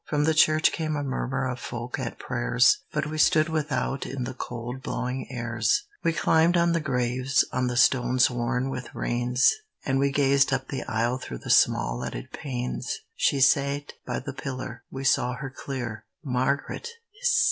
From the church came a murmur of folk at their prayers, But we stood without in the cold blowing airs. RAINBOW GOLD We climbed on the graves, on the stones worn with rains, And we gazed up the aisle through the small leaded panes. She sate by the pillar; we saw her clear: "Margaret, hist!